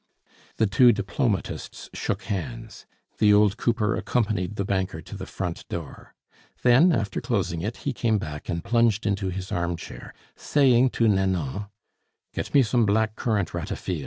The two diplomatists shook hands. The old cooper accompanied the banker to the front door. Then, after closing it, he came back and plunged into his armchair, saying to Nanon, "Get me some black currant ratafia."